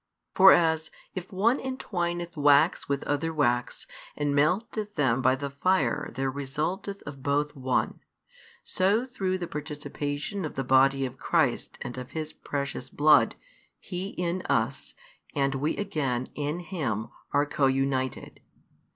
For as, if one entwineth wax with other wax and melteth them by the fire there resulteth of both one, so through the participation of the Body of Christ and of His precious Blood, He in us, and we again in Him, are co united.